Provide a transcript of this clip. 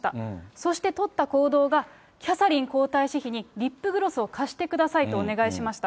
そして取った行動が、キャサリン皇太子妃にリップグロスを貸してくださいとお願いしました。